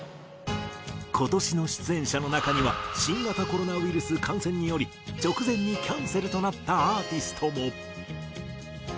今年の出演者の中には新型コロナウイルス感染により直前にキャンセルとなったアーティストも。